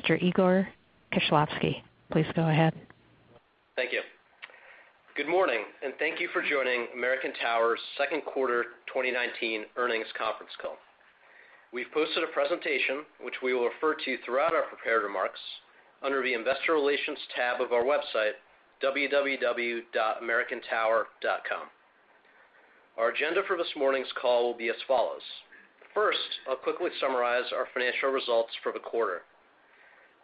Thank you. Good morning, and thank you for joining American Tower's second quarter 2019 earnings conference call. We've posted a presentation, which we will refer to throughout our prepared remarks under the investor relations tab of our website, www.americantower.com. Our agenda for this morning's call will be as follows. First, I'll quickly summarize our financial results for the quarter.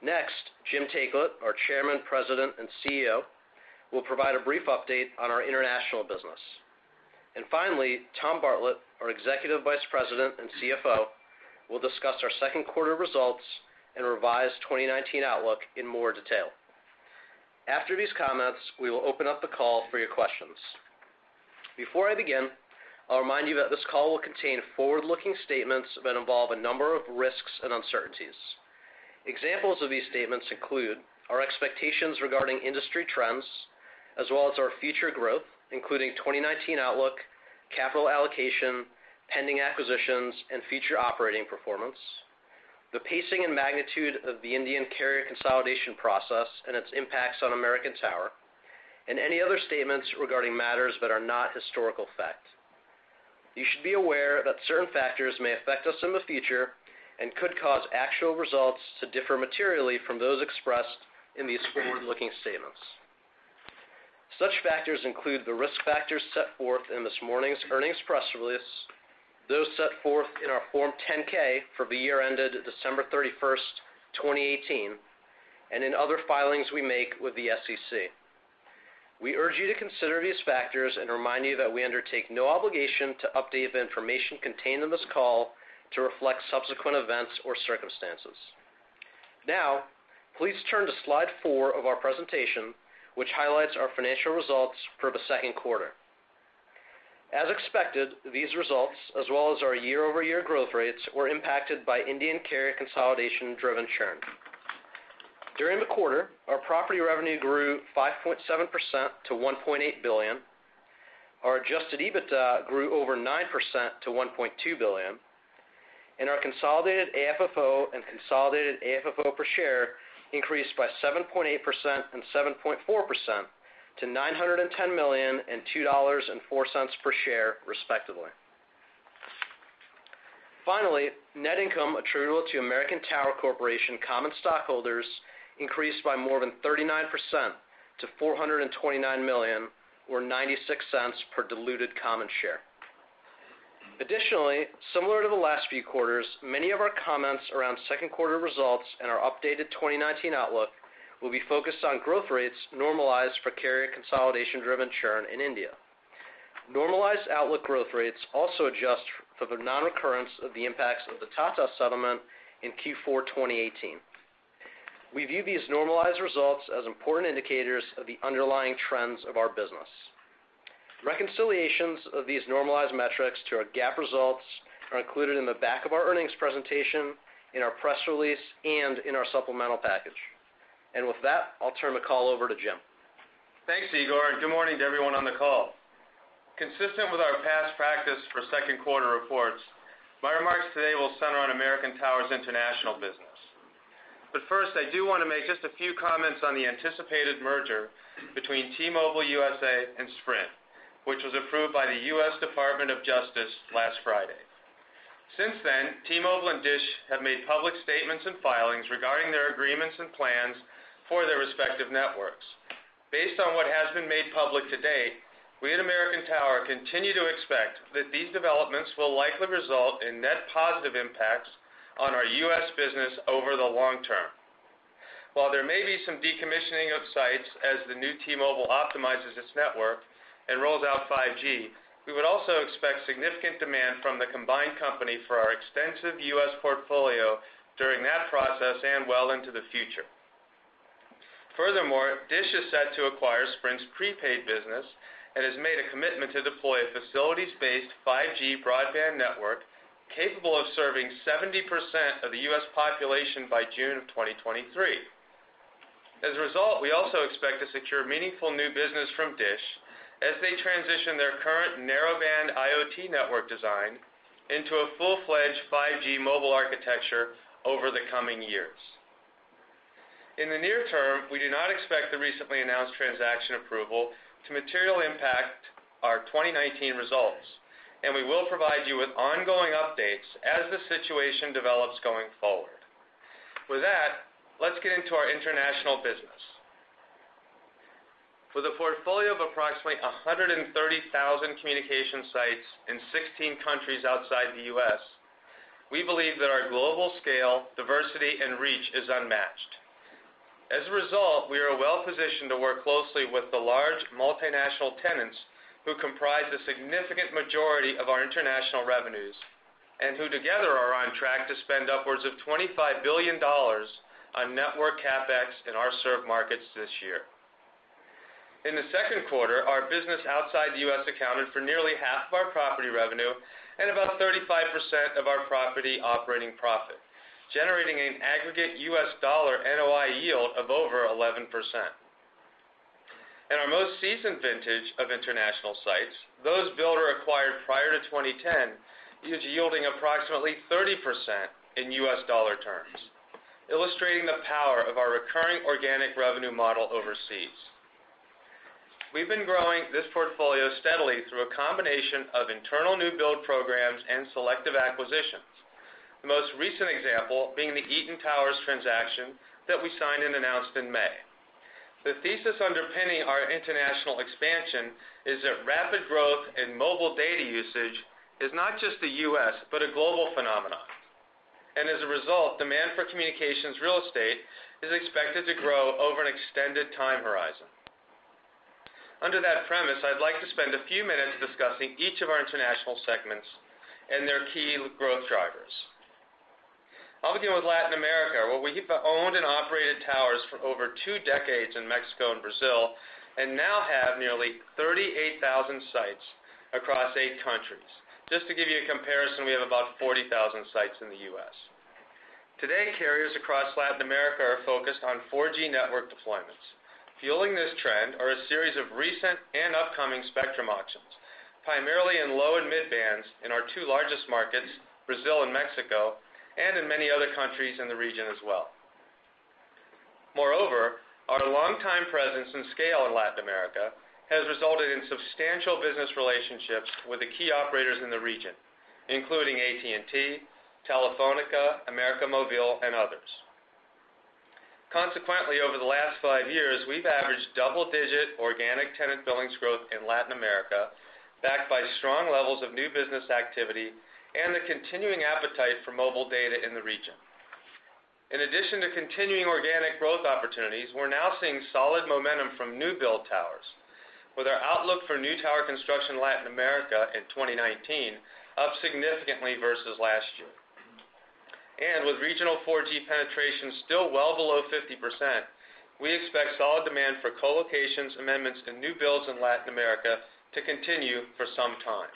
Next, Jim Taiclet, our Chairman, President, and CEO, will provide a brief update on our international business. Finally, Tom Bartlett, our Executive Vice President and CFO, will discuss our second quarter results and revised 2019 outlook in more detail. After these comments, we will open up the call for your questions. Before I begin, I'll remind you that this call will contain forward-looking statements that involve a number of risks and uncertainties. Examples of these statements include our expectations regarding industry trends as well as our future growth, including 2019 outlook, capital allocation, pending acquisitions, and future operating performance, the pacing and magnitude of the Indian carrier consolidation process and its impacts on American Tower, and any other statements regarding matters that are not historical fact. You should be aware that certain factors may affect us in the future and could cause actual results to differ materially from those expressed in these forward-looking statements. Such factors include the risk factors set forth in this morning's earnings press release, those set forth in our Form 10-K for the year ended December 31st, 2018, and in other filings we make with the SEC. We urge you to consider these factors and remind you that we undertake no obligation to update the information contained in this call to reflect subsequent events or circumstances. Now, please turn to slide four of our presentation, which highlights our financial results for the second quarter. As expected, these results, as well as our year-over-year growth rates, were impacted by Indian carrier consolidation-driven churn. During the quarter, our property revenue grew 5.7% to $1.8 billion. Our adjusted EBITDA grew over 9% to $1.2 billion, and our consolidated AFFO and consolidated AFFO per share increased by 7.8% and 7.4% to $910 million and $2.04 per share, respectively. Finally, net income attributable to American Tower Corporation common stockholders increased by more than 39% to $429 million or $0.96 per diluted common share. Additionally, similar to the last few quarters, many of our comments around second quarter results and our updated 2019 outlook will be focused on growth rates normalized for carrier consolidation-driven churn in India. Normalized outlook growth rates also adjust for the non-recurrence of the impacts of the Tata settlement in Q4 2018. We view these normalized results as important indicators of the underlying trends of our business. Reconciliations of these normalized metrics to our GAAP results are included in the back of our earnings presentation, in our press release, and in our supplemental package. With that, I'll turn the call over to Jim. Thanks, Igor, and good morning to everyone on the call. Consistent with our past practice for second quarter reports, my remarks today will center on American Tower's international business. First, I do want to make just a few comments on the anticipated merger between T-Mobile US and Sprint, which was approved by the U.S. Department of Justice last Friday. Since then, T-Mobile and DISH have made public statements and filings regarding their agreements and plans for their respective networks. Based on what has been made public to date, we at American Tower continue to expect that these developments will likely result in net positive impacts on our U.S. business over the long term. While there may be some decommissioning of sites as the new T-Mobile optimizes its network and rolls out 5G, we would also expect significant demand from the combined company for our extensive U.S. portfolio during that process and well into the future. Furthermore, Dish is set to acquire Sprint's prepaid business and has made a commitment to deploy a facilities-based 5G broadband network capable of serving 70% of the U.S. population by June of 2023. As a result, we also expect to secure meaningful new business from Dish as they transition their current narrow band IoT network design into a full-fledged 5G mobile architecture over the coming years. In the near term, we do not expect the recently announced transaction approval to materially impact our 2019 results, and we will provide you with ongoing updates as the situation develops going forward. With that, let's get into our international business. With a portfolio of approximately 130,000 communication sites in 16 countries outside the U.S., we believe that our global scale, diversity, and reach is unmatched. As a result, we are well-positioned to work closely with the large multinational tenants who comprise a significant majority of our international revenues, and who together are on track to spend upwards of $25 billion on network CapEx in our served markets this year. In the second quarter, our business outside the U.S. accounted for nearly half of our property revenue and about 35% of our property operating profit, generating an aggregate U.S. dollar NOI yield of over 11%. In our most seasoned vintage of international sites, those built or acquired prior to 2010, is yielding approximately 30% in U.S. dollar terms, illustrating the power of our recurring organic revenue model overseas. We've been growing this portfolio steadily through a combination of internal new build programs and selective acquisitions. The most recent example being the Eaton Towers transaction that we signed and announced in May. The thesis underpinning our international expansion is that rapid growth in mobile data usage is not just a U.S. but a global phenomenon. As a result, demand for communications real estate is expected to grow over an extended time horizon. Under that premise, I'd like to spend a few minutes discussing each of our international segments and their key growth drivers. I'll begin with Latin America, where we've owned and operated towers for over two decades in Mexico and Brazil, and now have nearly 38,000 sites across eight countries. Just to give you a comparison, we have about 40,000 sites in the U.S. Today, carriers across Latin America are focused on 4G network deployments. Fueling this trend are a series of recent and upcoming spectrum auctions, primarily in low and mid-bands in our two largest markets, Brazil and Mexico, and in many other countries in the region as well. Our longtime presence and scale in Latin America has resulted in substantial business relationships with the key operators in the region, including AT&T, Telefónica, América Móvil, and others. Over the last five years, we've averaged double-digit organic tenant billings growth in Latin America, backed by strong levels of new business activity and the continuing appetite for mobile data in the region. In addition to continuing organic growth opportunities, we're now seeing solid momentum from new build towers, with our outlook for new tower construction in Latin America in 2019 up significantly versus last year. With regional 4G penetration still well below 50%, we expect solid demand for co-locations, amendments, and new builds in Latin America to continue for some time.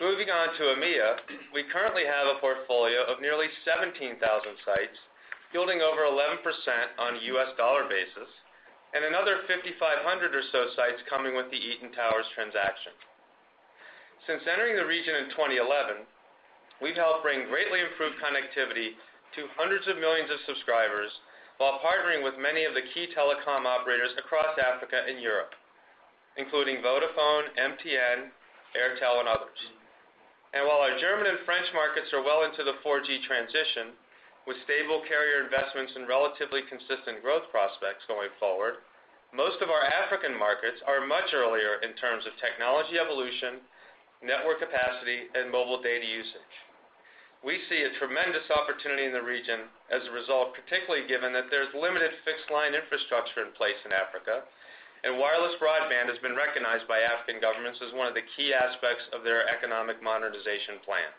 Moving on to EMEA, we currently have a portfolio of nearly 17,000 sites yielding over 11% on a U.S. dollar basis and another 5,500 or so sites coming with the Eaton Towers transaction. Since entering the region in 2011, we've helped bring greatly improved connectivity to hundreds of millions of subscribers while partnering with many of the key telecom operators across Africa and Europe, including Vodafone, MTN, Airtel, and others. While our German and French markets are well into the 4G transition, with stable carrier investments and relatively consistent growth prospects going forward, most of our African markets are much earlier in terms of technology evolution, network capacity, and mobile data usage. We see a tremendous opportunity in the region as a result, particularly given that there's limited fixed-line infrastructure in place in Africa, and wireless broadband has been recognized by African governments as one of the key aspects of their economic modernization plans.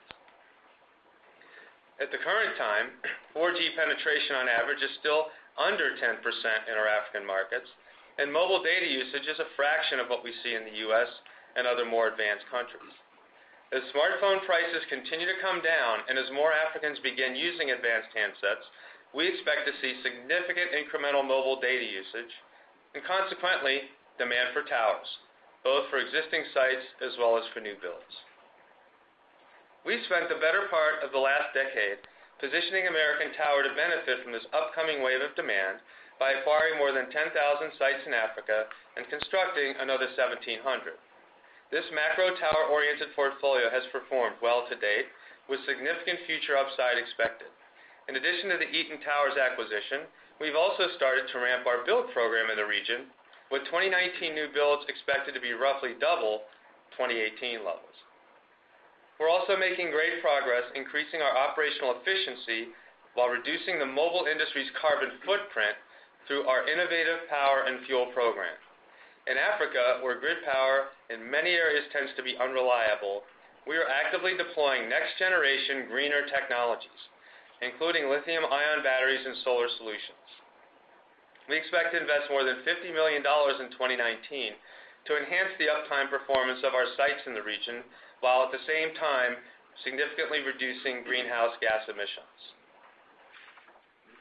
At the current time, 4G penetration on average is still under 10% in our African markets, and mobile data usage is a fraction of what we see in the U.S. and other more advanced countries. As smartphone prices continue to come down and as more Africans begin using advanced handsets, we expect to see significant incremental mobile data usage, and consequently, demand for towers, both for existing sites as well as for new builds. We've spent the better part of the last decade positioning American Tower to benefit from this upcoming wave of demand by acquiring more than 10,000 sites in Africa and constructing another 1,700. This macro tower-oriented portfolio has performed well to date, with significant future upside expected. In addition to the Eaton Towers acquisition, we've also started to ramp our build program in the region, with 2019 new builds expected to be roughly double 2018 levels. We're also making great progress increasing our operational efficiency while reducing the mobile industry's carbon footprint through our innovative power and fuel program. In Africa, where grid power in many areas tends to be unreliable, we are actively deploying next-generation greener technologies, including lithium-ion batteries and solar solutions. We expect to invest more than $50 million in 2019 to enhance the uptime performance of our sites in the region, while at the same time significantly reducing greenhouse gas emissions.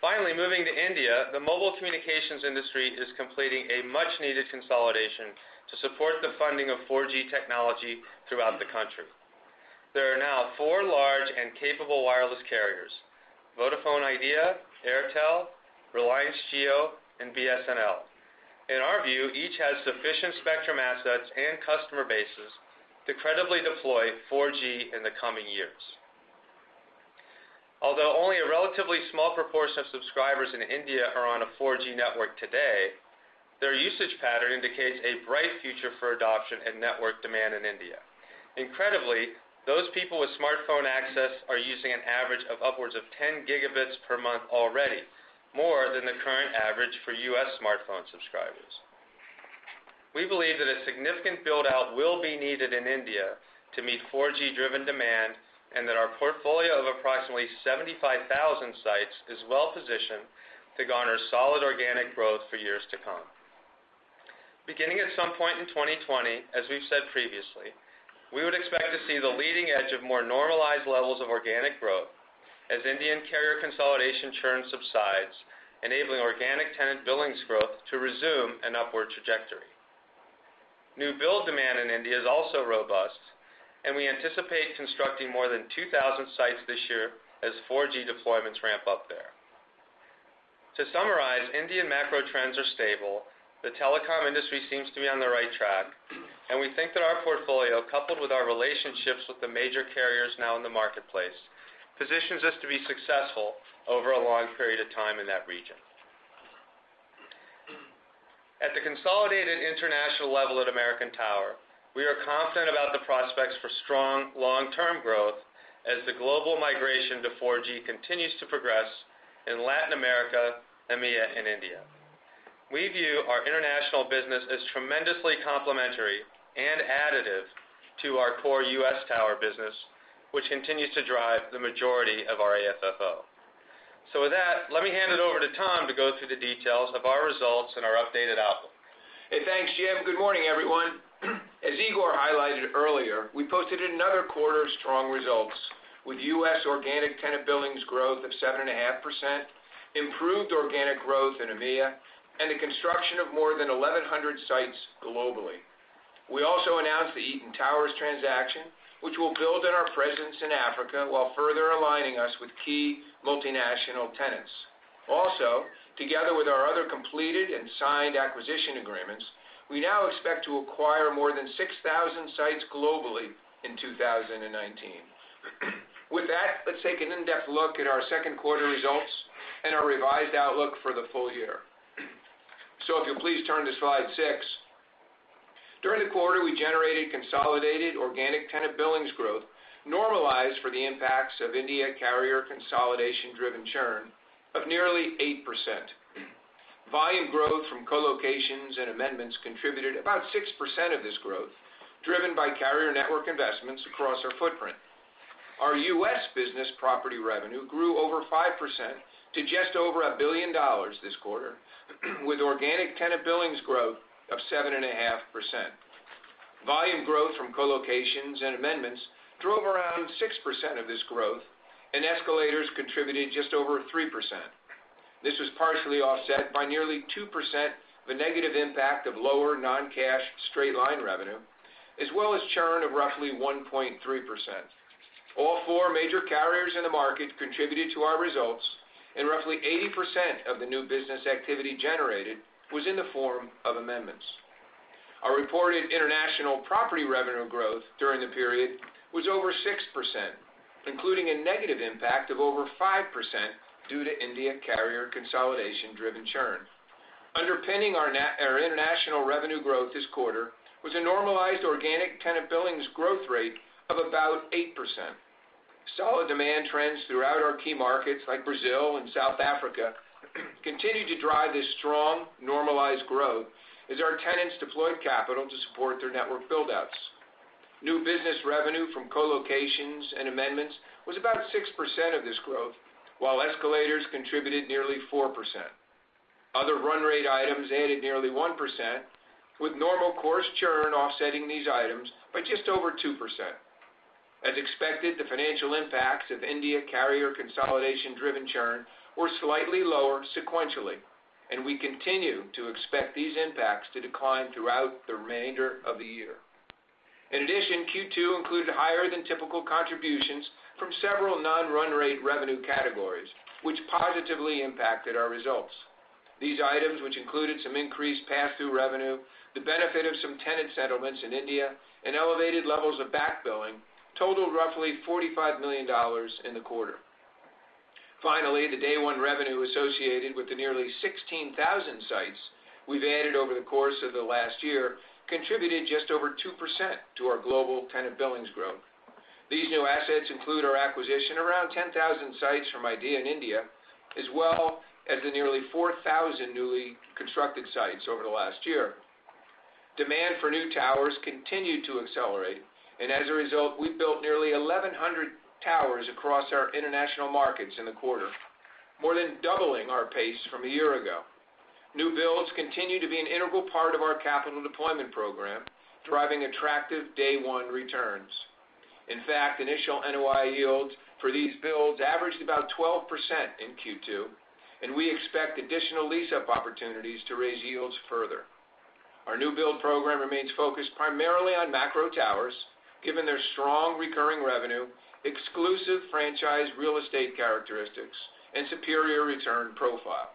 Finally, moving to India, the mobile communications industry is completing a much-needed consolidation to support the funding of 4G technology throughout the country. There are now four large and capable wireless carriers, Vodafone Idea, Airtel, Reliance Jio, and BSNL. In our view, each has sufficient spectrum assets and customer bases to credibly deploy 4G in the coming years. Although only a relatively small proportion of subscribers in India are on a 4G network today. Their usage pattern indicates a bright future for adoption and network demand in India. Incredibly, those people with smartphone access are using an average of upwards of 10 gigabits per month already, more than the current average for U.S. smartphone subscribers. We believe that a significant build-out will be needed in India to meet 4G-driven demand, and that our portfolio of approximately 75,000 sites is well-positioned to garner solid organic growth for years to come. Beginning at some point in 2020, as we've said previously, we would expect to see the leading edge of more normalized levels of organic growth as Indian carrier consolidation churn subsides, enabling organic tenant billings growth to resume an upward trajectory. New build demand in India is also robust, and we anticipate constructing more than 2,000 sites this year as 4G deployments ramp up there. To summarize, Indian macro trends are stable, the telecom industry seems to be on the right track, and we think that our portfolio, coupled with our relationships with the major carriers now in the marketplace, positions us to be successful over a long period of time in that region. At the consolidated international level at American Tower, we are confident about the prospects for strong long-term growth as the global migration to 4G continues to progress in Latin America, EMEA, and India. We view our international business as tremendously complementary and additive to our core U.S. tower business, which continues to drive the majority of our AFFO. With that, let me hand it over to Tom to go through the details of our results and our updated outlook. Hey, thanks, Jim. Good morning, everyone. As Igor highlighted earlier, we posted another quarter of strong results with U.S. organic tenant billings growth of 7.5%, improved organic growth in EMEA, and the construction of more than 1,100 sites globally. We also announced the Eaton Towers transaction, which will build on our presence in Africa while further aligning us with key multinational tenants. Also, together with our other completed and signed acquisition agreements, we now expect to acquire more than 6,000 sites globally in 2019. With that, let's take an in-depth look at our second quarter results and our revised outlook for the full year. If you'll please turn to slide six. During the quarter, we generated consolidated organic tenant billings growth normalized for the impacts of India carrier consolidation-driven churn of nearly 8%. Volume growth from co-locations and amendments contributed about 6% of this growth, driven by carrier network investments across our footprint. Our U.S. business property revenue grew over 5% to just over $1 billion this quarter, with organic tenant billings growth of 7.5%. Volume growth from co-locations and amendments drove around 6% of this growth, and escalators contributed just over 3%. This was partially offset by nearly 2% of a negative impact of lower non-cash straight-line revenue, as well as churn of roughly 1.3%. All four major carriers in the market contributed to our results, and roughly 80% of the new business activity generated was in the form of amendments. Our reported international property revenue growth during the period was over 6%, including a negative impact of over 5% due to India carrier consolidation-driven churn. Underpinning our international revenue growth this quarter was a normalized organic tenant billings growth rate of about 8%. Solid demand trends throughout our key markets like Brazil and South Africa continued to drive this strong normalized growth as our tenants deployed capital to support their network build-outs. New business revenue from co-locations and amendments was about 6% of this growth, while escalators contributed nearly 4%. Other run rate items added nearly 1%, with normal course churn offsetting these items by just over 2%. As expected, the financial impacts of India carrier consolidation-driven churn were slightly lower sequentially, and we continue to expect these impacts to decline throughout the remainder of the year. In addition, Q2 included higher than typical contributions from several non-run rate revenue categories, which positively impacted our results. These items, which included some increased pass-through revenue, the benefit of some tenant settlements in India, and elevated levels of back billing, totaled roughly $45 million in the quarter. Finally, the day one revenue associated with the nearly 16,000 sites we've added over the course of the last year contributed just over 2% to our global tenant billings growth. These new assets include our acquisition around 10,000 sites from Idea in India, as well as the nearly 4,000 newly constructed sites over the last year. As a result, we built nearly 1,100 towers across our international markets in the quarter, more than doubling our pace from a year ago. New builds continue to be an integral part of our capital deployment program, driving attractive day one returns. In fact, initial NOI yields for these builds averaged about 12% in Q2, and we expect additional lease-up opportunities to raise yields further. Our new build program remains focused primarily on macro towers, given their strong recurring revenue, exclusive franchise real estate characteristics, and superior return profile.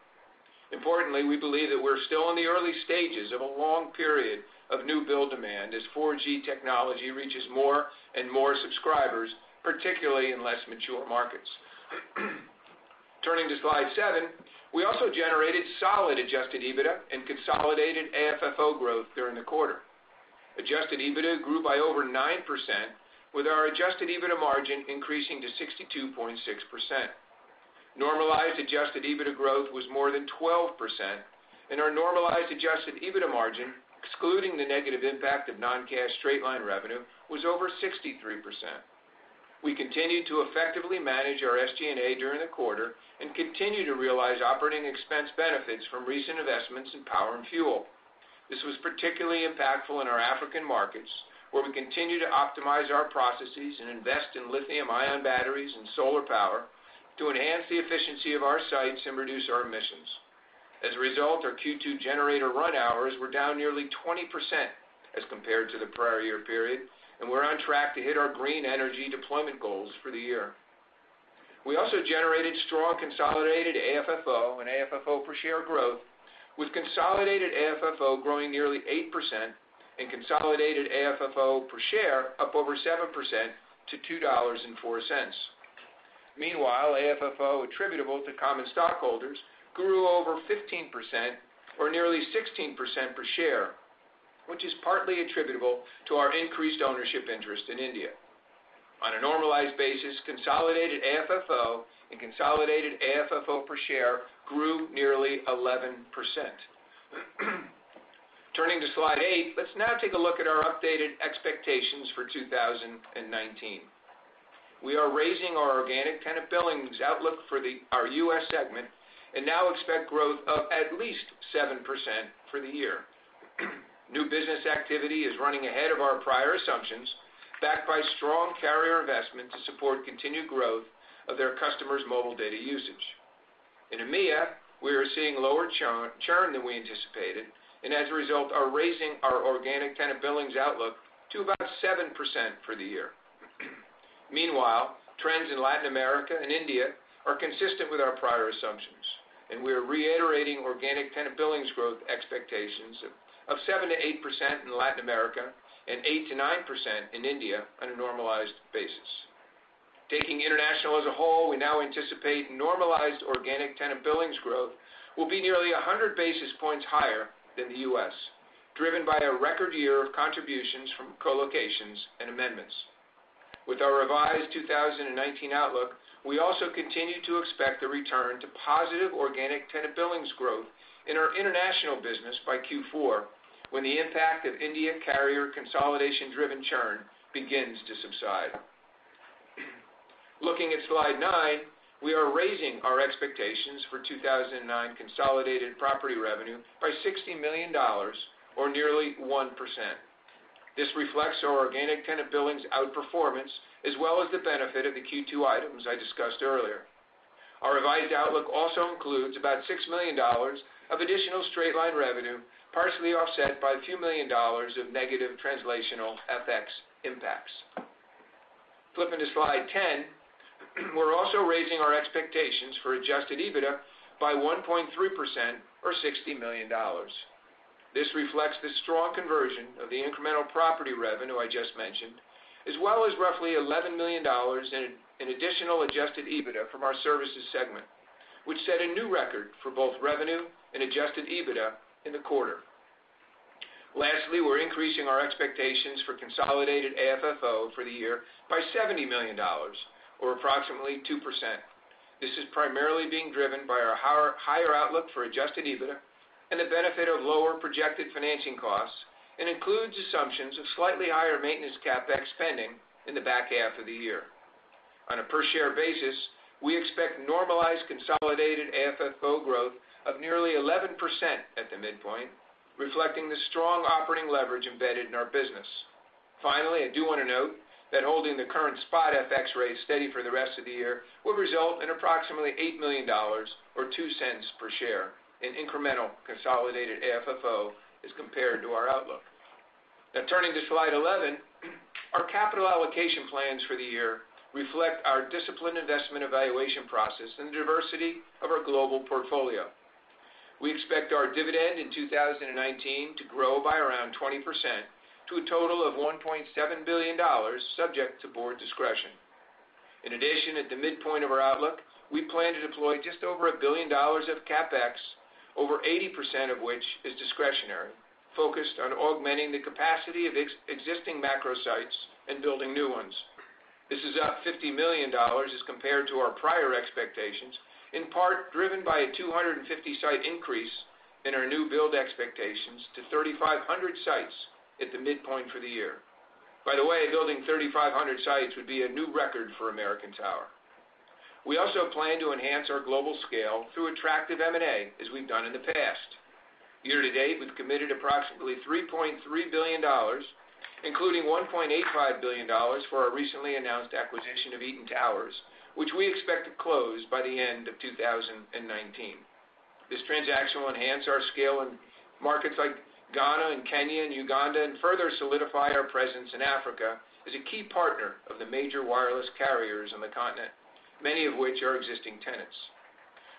Importantly, we believe that we're still in the early stages of a long period of new build demand as 4G technology reaches more and more subscribers, particularly in less mature markets. Turning to slide seven, we also generated solid adjusted EBITDA and consolidated AFFO growth during the quarter. Adjusted EBITDA grew by over 9%, with our adjusted EBITDA margin increasing to 62.6%. Normalized adjusted EBITDA growth was more than 12%, and our normalized adjusted EBITDA margin, excluding the negative impact of non-GAAP straight-line revenue, was over 63%. We continued to effectively manage our SG&A during the quarter and continue to realize operating expense benefits from recent investments in power and fuel. This was particularly impactful in our African markets, where we continue to optimize our processes and invest in lithium-ion batteries and solar power to enhance the efficiency of our sites and reduce our emissions. As a result, our Q2 generator run hours were down nearly 20% as compared to the prior year period, and we're on track to hit our green energy deployment goals for the year. We also generated strong consolidated AFFO and AFFO per share growth, with consolidated AFFO growing nearly 8% and consolidated AFFO per share up over 7% to $2.04. Meanwhile, AFFO attributable to common stockholders grew over 15%, or nearly 16% per share, which is partly attributable to our increased ownership interest in India. On a normalized basis, consolidated AFFO and consolidated AFFO per share grew nearly 11%. Turning to slide eight, let's now take a look at our updated expectations for 2019. We are raising our organic tenant billings outlook for our U.S. segment and now expect growth of at least 7% for the year. New business activity is running ahead of our prior assumptions, backed by strong carrier investment to support continued growth of their customers' mobile data usage. In EMEA, we are seeing lower churn than we anticipated and, as a result, are raising our organic tenant billings outlook to about 7% for the year. Meanwhile, trends in Latin America and India are consistent with our prior assumptions, and we are reiterating organic tenant billings growth expectations of 7% to 8% in Latin America and 8% to 9% in India on a normalized basis. Taking international as a whole, we now anticipate normalized organic tenant billings growth will be nearly 100 basis points higher than the U.S., driven by a record year of contributions from co-locations and amendments. With our revised 2019 outlook, we also continue to expect a return to positive organic tenant billings growth in our international business by Q4 when the impact of India carrier consolidation-driven churn begins to subside. Looking at slide nine, we are raising our expectations for 2019 consolidated property revenue by $60 million or nearly 1%. This reflects our organic tenant billings outperformance as well as the benefit of the Q2 items I discussed earlier. Our revised outlook also includes about $6 million of additional straight-line revenue, partially offset by a few million dollars of negative translational FX impacts. Flipping to slide 10, we are also raising our expectations for adjusted EBITDA by 1.3%, or $60 million. This reflects the strong conversion of the incremental property revenue I just mentioned, as well as roughly $11 million in additional adjusted EBITDA from our services segment, which set a new record for both revenue and adjusted EBITDA in the quarter. Lastly, we're increasing our expectations for consolidated AFFO for the year by $70 million or approximately 2%. This is primarily being driven by our higher outlook for adjusted EBITDA and the benefit of lower projected financing costs and includes assumptions of slightly higher maintenance CapEx spending in the back half of the year. On a per share basis, we expect normalized consolidated AFFO growth of nearly 11% at the midpoint, reflecting the strong operating leverage embedded in our business. I do want to note that holding the current spot FX rate steady for the rest of the year will result in approximately $8 million or $0.02 per share in incremental consolidated AFFO as compared to our outlook. Turning to slide 11, our capital allocation plans for the year reflect our disciplined investment evaluation process and the diversity of our global portfolio. We expect our dividend in 2019 to grow by around 20% to a total of $1.7 billion, subject to board discretion. At the midpoint of our outlook, we plan to deploy just over $1 billion of CapEx, over 80% of which is discretionary, focused on augmenting the capacity of existing macro sites and building new ones. This is up $50 million as compared to our prior expectations, in part driven by a 250-site increase in our new build expectations to 3,500 sites at the midpoint for the year. By the way, building 3,500 sites would be a new record for American Tower. We also plan to enhance our global scale through attractive M&A, as we've done in the past. Year to date, we've committed approximately $3.3 billion, including $1.85 billion for our recently announced acquisition of Eaton Towers, which we expect to close by the end of 2019. This transaction will enhance our scale in markets like Ghana and Kenya and Uganda and further solidify our presence in Africa as a key partner of the major wireless carriers on the continent, many of which are existing tenants.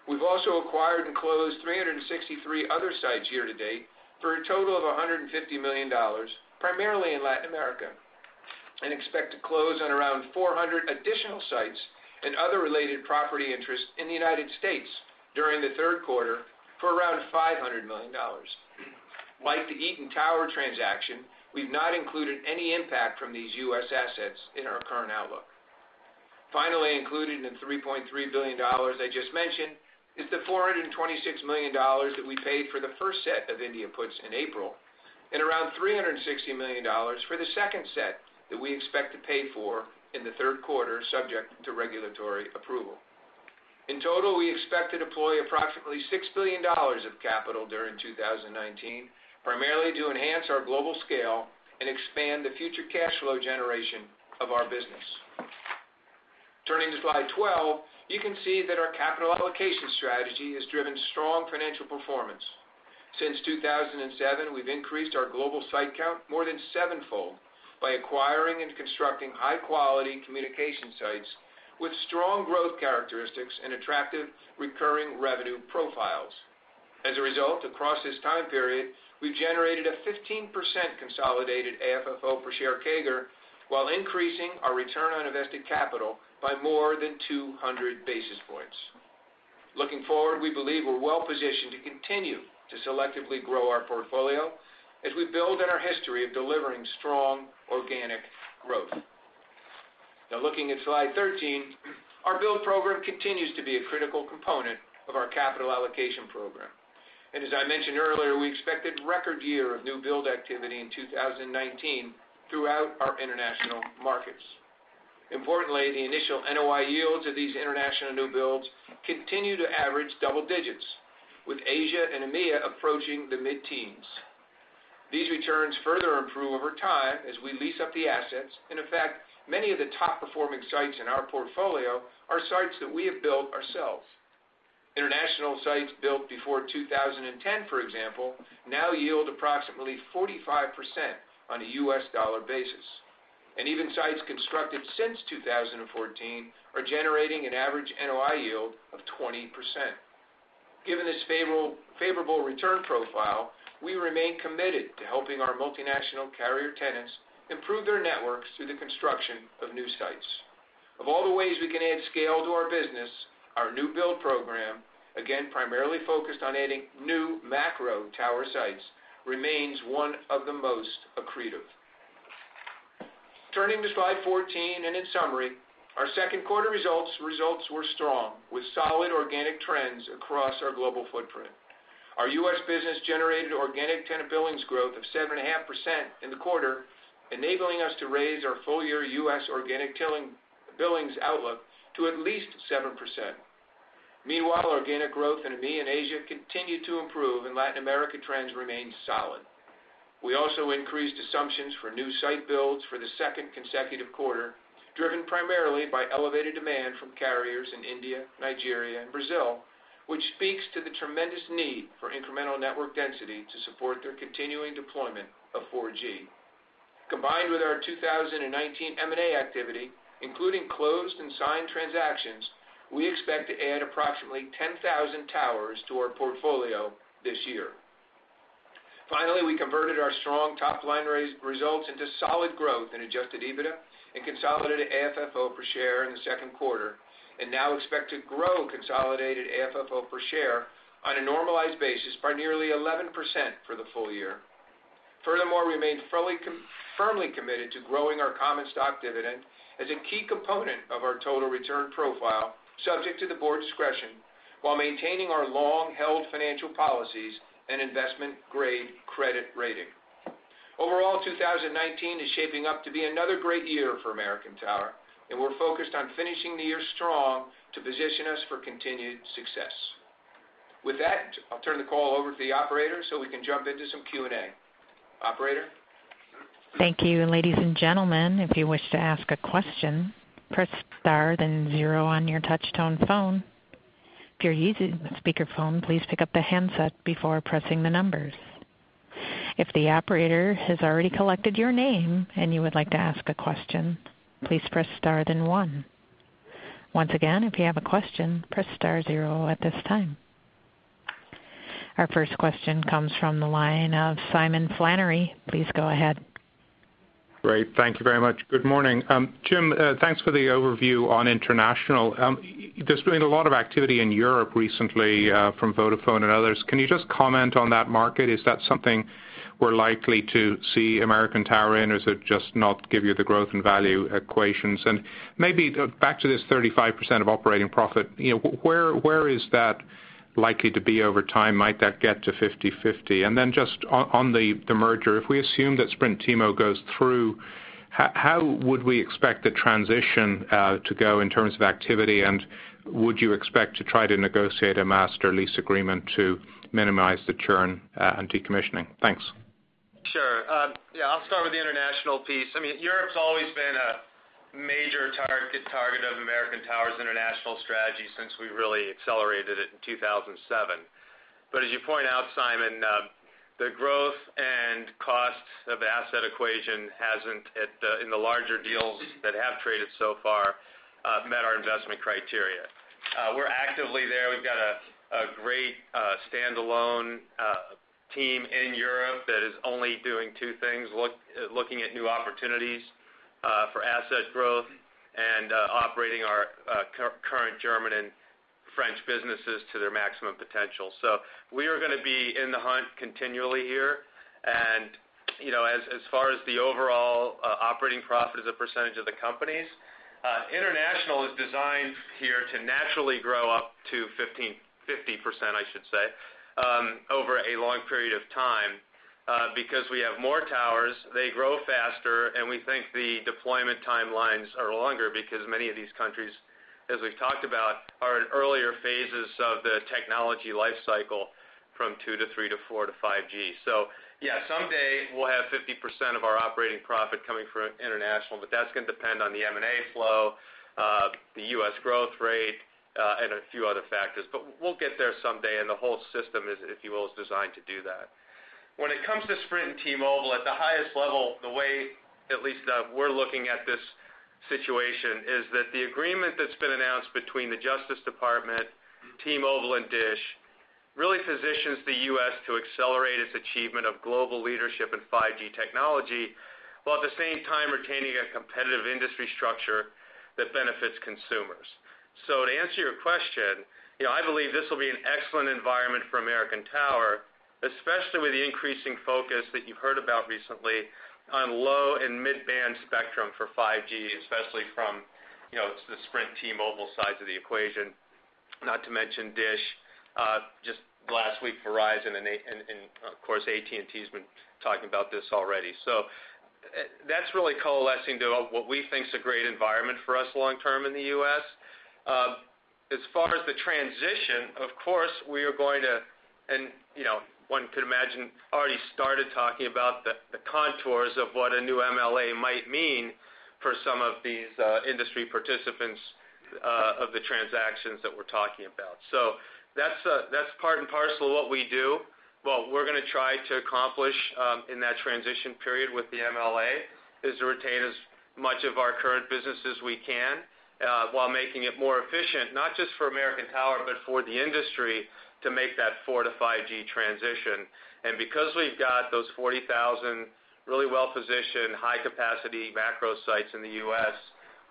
We've also acquired and closed 363 other sites year to date for a total of $150 million, primarily in Latin America. Expect to close on around 400 additional sites and other related property interests in the United States during the third quarter for around $500 million. Like the Eaton Towers transaction, we've not included any impact from these U.S. assets in our current outlook. Finally, included in the $3.3 billion I just mentioned, is the $426 million that we paid for the first set of India puts in April, and around $360 million for the second set that we expect to pay for in the third quarter, subject to regulatory approval. In total, we expect to deploy approximately $6 billion of capital during 2019, primarily to enhance our global scale and expand the future cash flow generation of our business. Turning to slide 12, you can see that our capital allocation strategy has driven strong financial performance. Since 2007, we've increased our global site count more than sevenfold by acquiring and constructing high-quality communication sites with strong growth characteristics and attractive recurring revenue profiles. As a result, across this time period, we've generated a 15% consolidated AFFO per share CAGR while increasing our return on invested capital by more than 200 basis points. Looking forward, we believe we're well positioned to continue to selectively grow our portfolio as we build on our history of delivering strong organic growth. Now, looking at slide 13, our build program continues to be a critical component of our capital allocation program. As I mentioned earlier, we expect a record year of new build activity in 2019 throughout our international markets. Importantly, the initial NOI yields of these international new builds continue to average double digits, with Asia and EMEA approaching the mid-teens. These returns further improve over time as we lease up the assets. In fact, many of the top-performing sites in our portfolio are sites that we have built ourselves. International sites built before 2010, for example, now yield approximately 45% on a U.S. dollar basis, and even sites constructed since 2014 are generating an average NOI yield of 20%. Given this favorable return profile, we remain committed to helping our multinational carrier tenants improve their networks through the construction of new sites. Of all the ways we can add scale to our business, our new build program, again, primarily focused on adding new macro tower sites, remains one of the most accretive. Turning to slide 14, in summary, our second quarter results were strong, with solid organic trends across our global footprint. Our U.S. business generated organic tenant billings growth of 7.5% in the quarter, enabling us to raise our full-year U.S. organic billings outlook to at least 7%. Meanwhile, organic growth in EMEA and Asia continued to improve, Latin America trends remained solid. We also increased assumptions for new site builds for the second consecutive quarter, driven primarily by elevated demand from carriers in India, Nigeria, and Brazil, which speaks to the tremendous need for incremental network density to support their continuing deployment of 4G. Combined with our 2019 M&A activity, including closed and signed transactions, we expect to add approximately 10,000 towers to our portfolio this year. We converted our strong top-line results into solid growth in adjusted EBITDA and consolidated AFFO per share in the second quarter. We now expect to grow consolidated AFFO per share on a normalized basis by nearly 11% for the full year. We remain firmly committed to growing our common stock dividend as a key component of our total return profile, subject to the board's discretion, while maintaining our long-held financial policies and investment-grade credit rating. 2019 is shaping up to be another great year for American Tower. We're focused on finishing the year strong to position us for continued success. With that, I'll turn the call over to the operator so we can jump into some Q&A. Operator? Thank you. Ladies and gentlemen, if you wish to ask a question, press star then zero on your touch-tone phone. If you're using a speakerphone, please pick up the handset before pressing the numbers. If the operator has already collected your name and you would like to ask a question, please press star then one. Once again, if you have a question, press star zero at this time. Our first question comes from the line of Simon Flannery. Please go ahead. Great. Thank you very much. Good morning. Jim, thanks for the overview on international. There's been a lot of activity in Europe recently from Vodafone and others. Can you just comment on that market? Is that something we're likely to see American Tower in, or does it just not give you the growth and value equations? Maybe back to this 35% of operating profit, where is that likely to be over time? Might that get to 50/50? Then just on the merger, if we assume that Sprint T-Mobile goes through, how would we expect the transition to go in terms of activity, and would you expect to try to negotiate a master lease agreement to minimize the churn and decommissioning? Thanks. Sure. Yeah, I'll start with the international piece. Europe's always been a major target of American Tower's international strategy since we really accelerated it in 2007. As you point out, Simon, the growth and costs of asset equation hasn't, in the larger deals that have traded so far, met our investment criteria. We're actively there. We've got a great standalone Team in Europe that is only doing two things, looking at new opportunities for asset growth and operating our current German and French businesses to their maximum potential. We are going to be in the hunt continually here. As far as the overall operating profit as a percentage of the company's International is designed here to naturally grow up to 50%, I should say, over a long period of time, because we have more towers, they grow faster, and we think the deployment timelines are longer because many of these countries, as we've talked about, are in earlier phases of the technology life cycle from 2 to 3 to 4 to 5G. Yeah, someday we'll have 50% of our operating profit coming from International, but that's gonna depend on the M&A flow, the U.S. growth rate, and a few other factors. We'll get there someday, and the whole system is, if you will, designed to do that. When it comes to Sprint and T-Mobile, at the highest level, the way at least we're looking at this situation is that the agreement that's been announced between the Justice Department, T-Mobile, and DISH really positions the U.S. to accelerate its achievement of global leadership in 5G technology, while at the same time retaining a competitive industry structure that benefits consumers. To answer your question, I believe this will be an excellent environment for American Tower, especially with the increasing focus that you've heard about recently on low and mid-band spectrum for 5G, especially from the Sprint, T-Mobile side of the equation. Not to mention DISH, just last week, Verizon, and of course, AT&T has been talking about this already. That's really coalescing to what we think is a great environment for us long-term in the U.S. As far as the transition, of course, we are going to, and one could imagine already started talking about the contours of what a new MLA might mean for some of these industry participants of the transactions that we're talking about. That's part and parcel of what we do. What we're gonna try to accomplish in that transition period with the MLA is to retain as much of our current business as we can, while making it more efficient, not just for American Tower, but for the industry to make that 4 to 5G transition. Because we've got those 40,000 really well-positioned, high-capacity macro sites in the U.S.,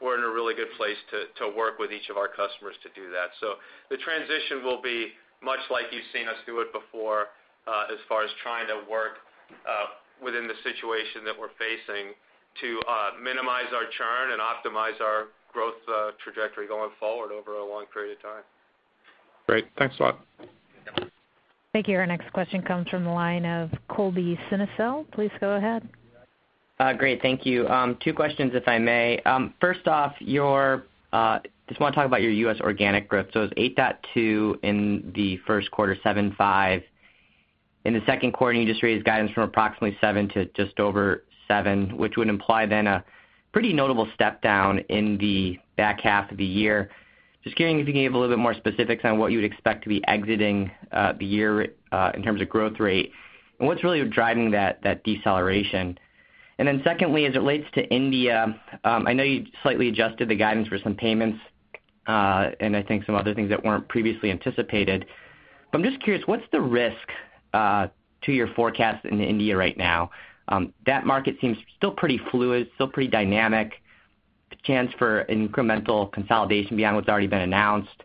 we're in a really good place to work with each of our customers to do that. The transition will be much like you've seen us do it before, as far as trying to work within the situation that we're facing to minimize our churn and optimize our growth trajectory going forward over a long period of time. Great. Thanks a lot. Thank you. Our next question comes from the line of Colby Synesael. Please go ahead. Great. Thank you. Two questions, if I may. First off, just wanna talk about your U.S. organic growth. It was 8.2% in the first quarter, 7.5% in the second quarter, and you just raised guidance from approximately 7% to just over 7%, which would imply then a pretty notable step down in the back half of the year. Just curious if you can give a little bit more specifics on what you would expect to be exiting the year in terms of growth rate, and what's really driving that deceleration. Secondly, as it relates to India, I know you slightly adjusted the guidance for some payments and I think some other things that weren't previously anticipated, but I'm just curious, what's the risk to your forecast in India right now? That market seems still pretty fluid, still pretty dynamic. The chance for incremental consolidation beyond what's already been announced,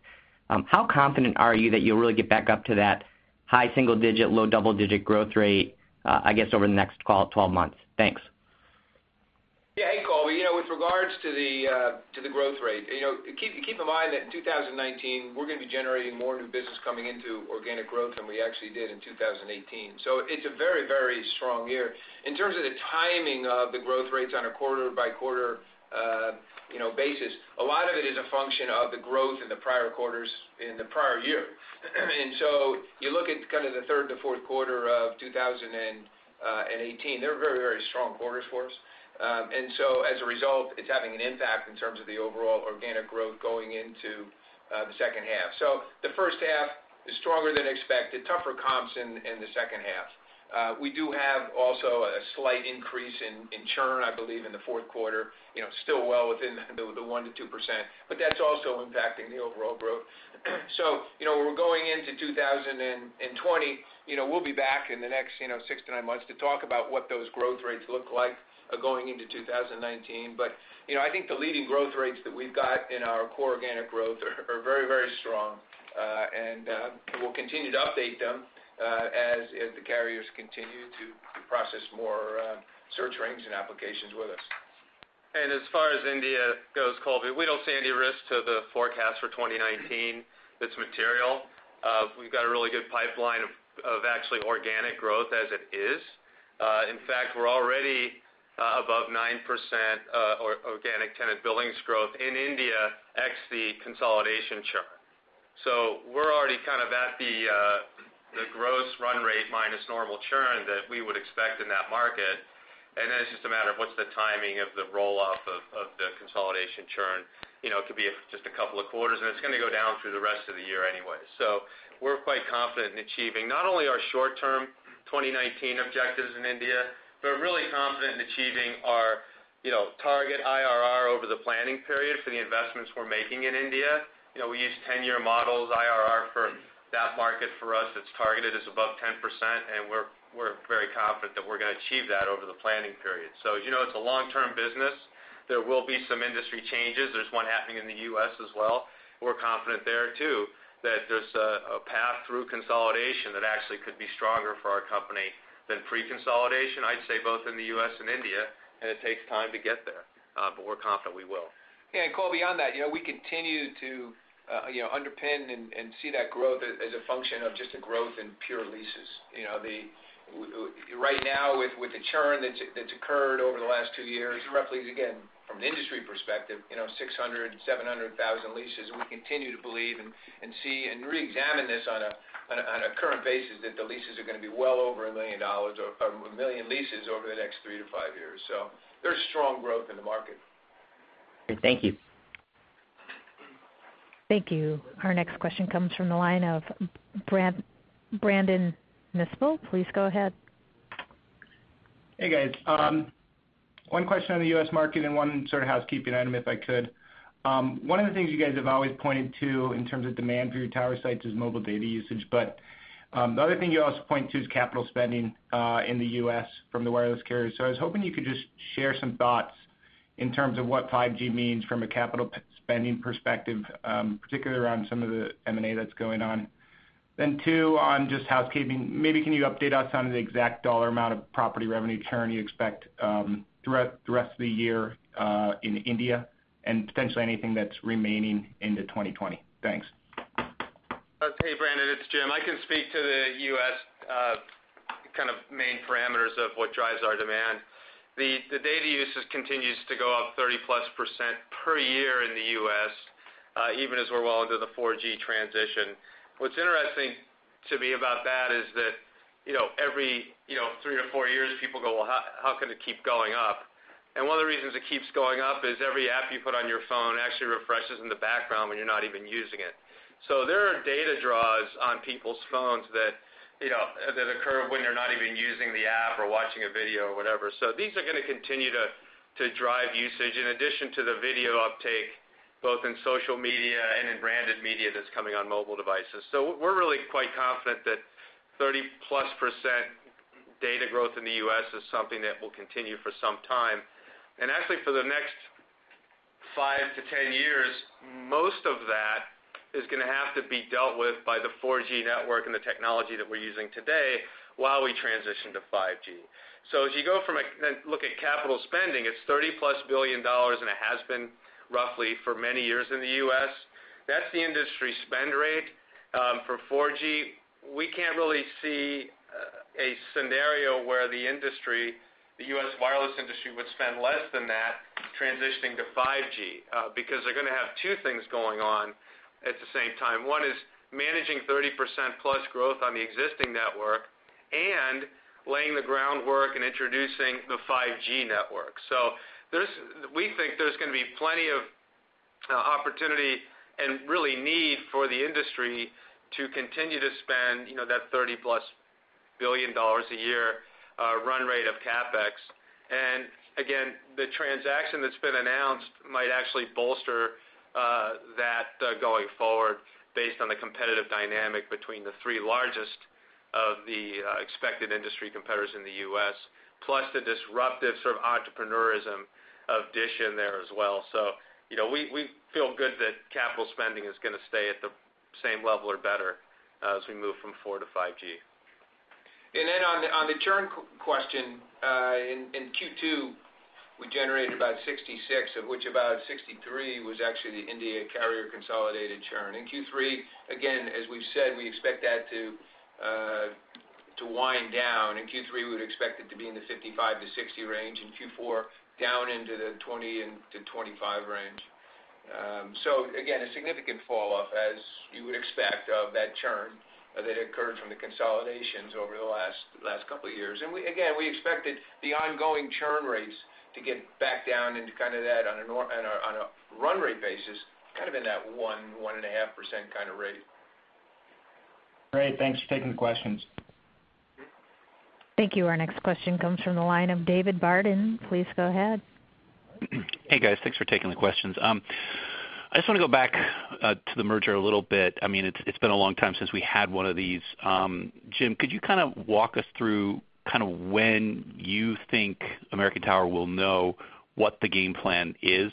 how confident are you that you'll really get back up to that high single digit, low double-digit growth rate, I guess over the next 12 months? Thanks. Hey, Colby. With regards to the growth rate, keep in mind that in 2019, we're going to be generating more new business coming into organic growth than we actually did in 2018. It's a very strong year. In terms of the timing of the growth rates on a quarter-by-quarter basis, a lot of it is a function of the growth in the prior quarters in the prior year. You look at kind of the third to fourth quarter of 2018, they're very strong quarters for us. As a result, it's having an impact in terms of the overall organic growth going into the second half. The first half is stronger than expected, tougher comps in the second half. We do have also a slight increase in churn, I believe, in the fourth quarter, still well within the 1%-2%, That's also impacting the overall growth. We're going into 2020. We'll be back in the next six to nine months to talk about what those growth rates look like going into 2019. I think the leading growth rates that we've got in our core organic growth are very strong, and we'll continue to update them as the carriers continue to process more search rankings and applications with us. As far as India goes, Colby, we don't see any risk to the forecast for 2019 that's material. We've got a really good pipeline of actually organic growth as it is. In fact, we're already above 9% organic tenant billings growth in India, ex the consolidation churn. We're already kind of at the gross run rate minus normal churn that we would expect in that market, and then it's just a matter of what's the timing of the roll-off of the consolidation churn. It could be just a couple of quarters, and it's gonna go down through the rest of the year anyway. We're quite confident in achieving not only our short-term 2019 objectives in India, but really confident in achieving our target IRR planning period for the investments we're making in India. We use 10-year models, IRR for that market. For us, it's targeted as above 10%, and we're very confident that we're going to achieve that over the planning period. It's a long-term business. There will be some industry changes. There's one happening in the U.S. as well. We're confident there, too, that there's a path through consolidation that actually could be stronger for our company than pre-consolidation, I'd say both in the U.S. and India. It takes time to get there. We're confident we will. Yeah. Colby, beyond that, we continue to underpin and see that growth as a function of just a growth in pure leases. Right now, with the churn that's occurred over the last two years, roughly, again, from an industry perspective, 600,000, 700,000 leases and we continue to believe and see and re-examine this on a current basis, that the leases are going to be well over 1 million leases over the next three to five years. There's strong growth in the market. Great. Thank you. Thank you. Our next question comes from the line of Brandon Nispel. Please go ahead. Hey, guys. One question on the U.S. market and one sort of housekeeping item, if I could. The other thing you also point to is capital spending in the U.S. from the wireless carriers. I was hoping you could just share some thoughts in terms of what 5G means from a capital spending perspective, particularly around some of the M&A that's going on. Two, on just housekeeping, maybe can you update us on the exact dollar amount of property revenue churn you expect throughout the rest of the year, in India and potentially anything that's remaining into 2020? Thanks. Hey, Brandon, it's Jim. I can speak to the U.S. kind of main parameters of what drives our demand. The data usage continues to go up 30-plus% per year in the U.S., even as we're well into the 4G transition. What's interesting to me about that is that, every three to four years, people go, "Well, how can it keep going up?" One of the reasons it keeps going up is every app you put on your phone actually refreshes in the background when you're not even using it. There are data draws on people's phones that occur when you're not even using the app or watching a video or whatever. These are going to continue to drive usage in addition to the video uptake, both in social media and in branded media that's coming on mobile devices. We're really quite confident that 30%-plus data growth in the U.S. is something that will continue for some time. For the next 5-10 years, most of that is going to have to be dealt with by the 4G network and the technology that we're using today while we transition to 5G. As you go from a look at capital spending, it's $30 billion-plus, and it has been roughly for many years in the U.S. That's the industry spend rate for 4G. We can't really see a scenario where the U.S. wireless industry would spend less than that transitioning to 5G, because they're going to have two things going on at the same time. One is managing 30%-plus growth on the existing network and laying the groundwork and introducing the 5G network. We think there's going to be plenty of opportunity and really need for the industry to continue to spend that $30-plus billion a year run rate of CapEx. Again, the transaction that's been announced might actually bolster that going forward based on the competitive dynamic between the three largest of the expected industry competitors in the U.S., plus the disruptive sort of entrepreneurism of DISH in there as well. We feel good that capital spending is going to stay at the same level or better as we move from 4G to 5G. On the churn question, in Q2, we generated about 66, of which about 63 was actually the India carrier consolidated churn. In Q3, again, as we've said, we expect that to wind down. In Q3, we would expect it to be in the 55-60 range. In Q4, down into the 20-25 range. Again, a significant fall off, as you would expect, of that churn that occurred from the consolidations over the last couple of years. Again, we expected the ongoing churn rates to get back down into that on a run rate basis, kind of in that 1.5% kind of rate. Great. Thanks for taking the questions. Thank you. Our next question comes from the line of David Barden. Please go ahead. Hey, guys, thanks for taking the questions. I just want to go back to the merger a little bit. It's been a long time since we had one of these. Jim, could you kind of walk us through when you think American Tower will know what the game plan is?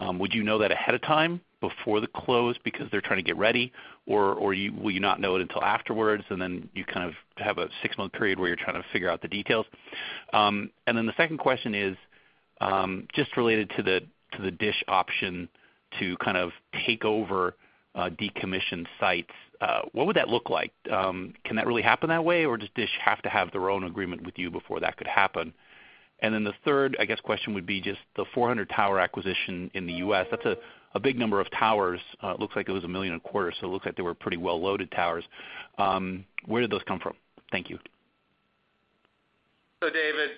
Would you know that ahead of time, before the close because they're trying to get ready, or will you not know it until afterwards, and then you kind of have a six-month period where you're trying to figure out the details? The second question is, just related to the DISH option to kind of take over decommissioned sites. What would that look like? Can that really happen that way, or does DISH have to have their own agreement with you before that could happen? The third, I guess, question would be just the 400 tower acquisition in the U.S. That's a big number of towers. It looks like it was a million and a quarter, so it looks like they were pretty well-loaded towers. Where did those come from? Thank you. David,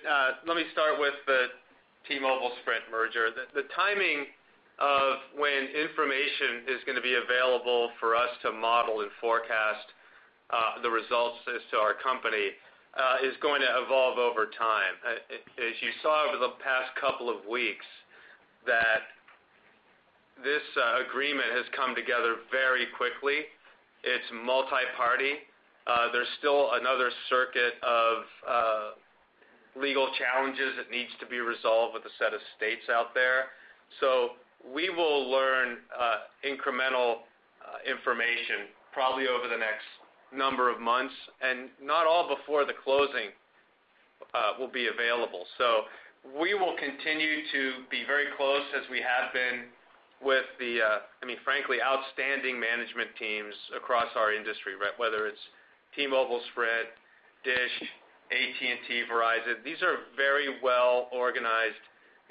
let me start with the T-Mobile/Sprint merger. Information is going to be available for us to model and forecast the results as to our company is going to evolve over time. As you saw over the past couple of weeks, that this agreement has come together very quickly. It's multi-party. There's still another circuit of legal challenges that needs to be resolved with a set of states out there. We will learn incremental information probably over the next number of months, and not all before the closing will be available. We will continue to be very close as we have been with the, frankly, outstanding management teams across our industry, whether it's T-Mobile, Sprint, DISH, AT&T, Verizon. These are very well-organized,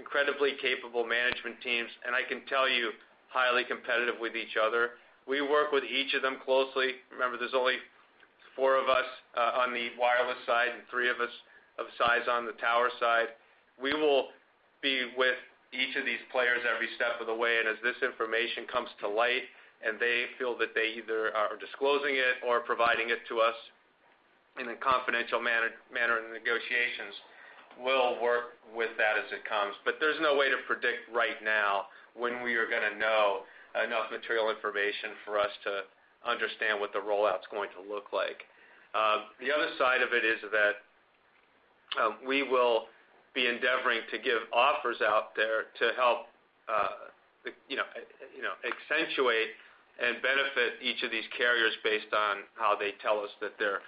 incredibly capable management teams, and I can tell you, highly competitive with each other. We work with each of them closely. Remember, there's only four of us on the wireless side and three of us of size on the tower side. As this information comes to light and they feel that they either are disclosing it or providing it to us in a confidential manner in the negotiations, we'll work with that as it comes. There's no way to predict right now when we are going to know enough material information for us to understand what the rollout's going to look like. The other side of it is that we will be endeavoring to give offers out there to help accentuate and benefit each of these carriers based on how they tell us that their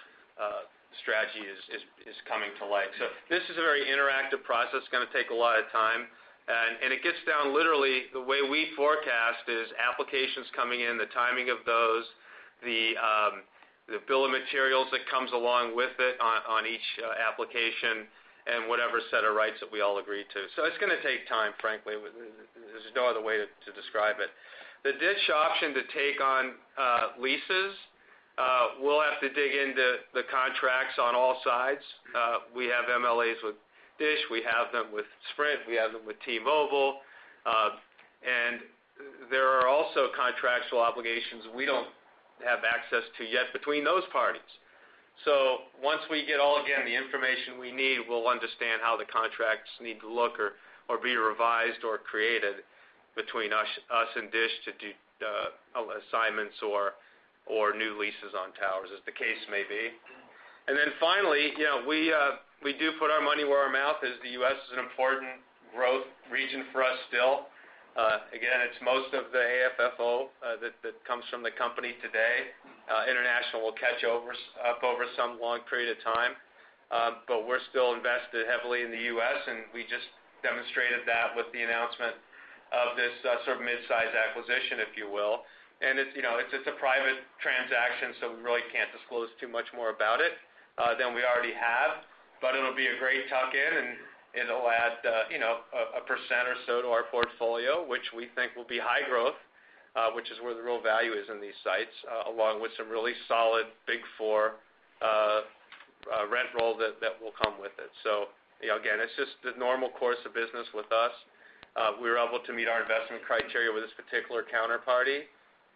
strategy is coming to light. This is a very interactive process, it's going to take a lot of time, and it gets down literally the way we forecast is applications coming in, the timing of those, the bill of materials that comes along with it on each application, and whatever set of rights that we all agree to. It's going to take time, frankly. There's no other way to describe it. The DISH option to take on leases, we'll have to dig into the contracts on all sides. We have MLAs with DISH, we have them with Sprint, we have them with T-Mobile. There are also contractual obligations we don't have access to yet between those parties. Once we get all, again, the information we need, we'll understand how the contracts need to look or be revised or created between us and DISH to do assignments or new leases on towers, as the case may be. Finally, we do put our money where our mouth is. The U.S. is an important growth region for us still. Again, it's most of the AFFO that comes from the company today. International will catch up over some long period of time. We're still invested heavily in the U.S., and we just demonstrated that with the announcement of this midsize acquisition, if you will. It's a private transaction, so we really can't disclose too much more about it than we already have, but it'll be a great tuck-in, and it'll add a percent or so to our portfolio, which we think will be high growth, which is where the real value is in these sites, along with some really solid Big Four rent roll that will come with it. Again, it's just the normal course of business with us. We were able to meet our investment criteria with this particular counterparty.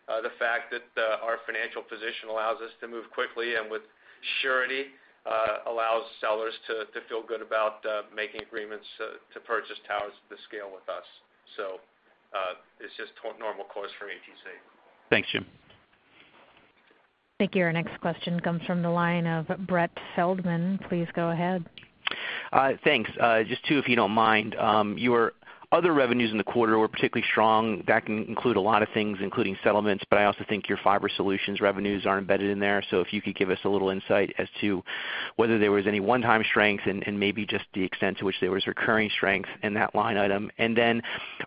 The fact that our financial position allows us to move quickly and with surety allows sellers to feel good about making agreements to purchase towers to scale with us. It's just normal course for ATC. Thanks, Jim. Thank you. Our next question comes from the line of Brett Feldman. Please go ahead. Thanks. Just two, if you don't mind. Your other revenues in the quarter were particularly strong. That can include a lot of things, including settlements, but I also think your fiber solutions revenues are embedded in there. If you could give us a little insight as to whether there was any one-time strength and maybe just the extent to which there was recurring strength in that line item.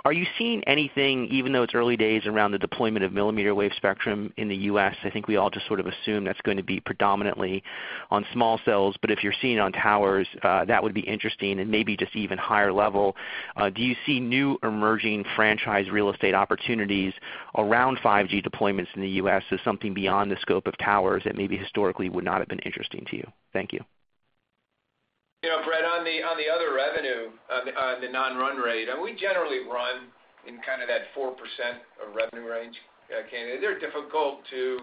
Are you seeing anything, even though it's early days around the deployment of millimeter wave spectrum in the U.S., I think we all just sort of assume that's going to be predominantly on small cells, but if you're seeing it on towers, that would be interesting and maybe just even higher level. Do you see new emerging franchise real estate opportunities around 5G deployments in the U.S. as something beyond the scope of towers that maybe historically would not have been interesting to you? Thank you. Brett, on the other revenue, on the non-run rate, we generally run in kind of that 4% of revenue range. They're difficult to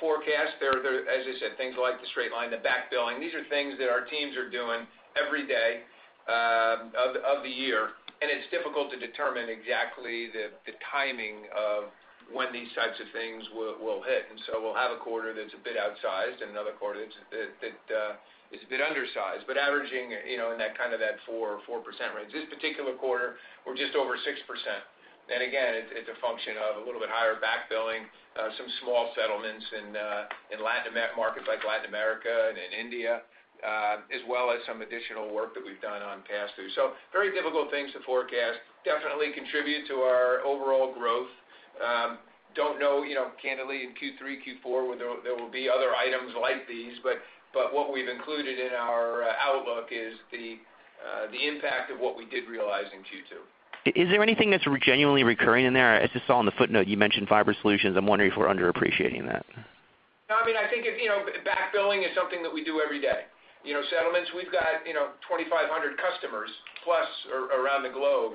forecast. They're, as I said, things like the straight line, the back billing. These are things that our teams are doing every day of the year, and it's difficult to determine exactly the timing of when these types of things will hit. We'll have a quarter that's a bit outsized and another quarter that is a bit undersized. Averaging in that kind of that 4% range. This particular quarter, we're just over 6%. Again, it's a function of a little bit higher back billing, some small settlements in LatAm markets like Latin America and in India, as well as some additional work that we've done on pass-through. Very difficult things to forecast. Definitely contribute to our overall growth. Don't know, candidly, in Q3, Q4, whether there will be other items like these, but what we've included in our outlook is the impact of what we did realize in Q2. Is there anything that's genuinely recurring in there? I just saw in the footnote you mentioned fiber solutions. I'm wondering if we're underappreciating that. No, I think back billing is something that we do every day. Settlements, we've got 2,500 customers plus around the globe,